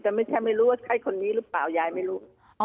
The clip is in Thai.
แต่ไม่ใช่ไม่รู้ว่าใช่คนนี้หรือเปล่ายายไม่รู้